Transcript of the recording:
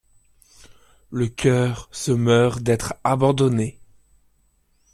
Le cœur se meurt d’être abandonné.